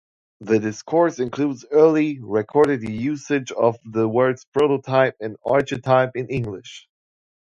The Discourse includes early recorded usage of the words 'prototype' and 'archetype' in English.